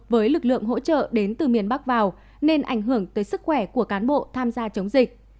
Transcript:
với lực lượng hỗ trợ đến từ miền bắc vào nên ảnh hưởng tới sức khỏe của cán bộ tham gia chống dịch